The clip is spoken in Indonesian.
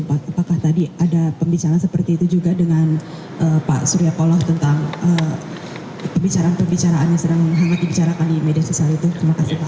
apakah tadi ada pembicaraan seperti itu juga dengan pak surya paloh tentang pembicaraan pembicaraan yang sedang hangat dibicarakan di media sosial itu terima kasih pak